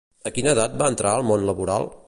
A quina edat va entrar al món laboral?